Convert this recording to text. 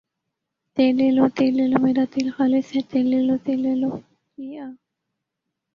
تیل لے لو ، تیل لے لو میرا تیل خالص ھے تیل لے لو تیل لے لو یہ آ